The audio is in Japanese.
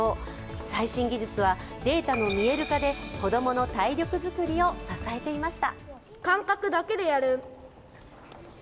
最新技術はデータの見える化で子供の体力作りを支えていました。